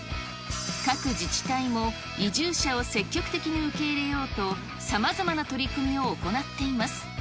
各自治体も移住者を積極的に受け入れようと、さまざまな取り組みを行っています。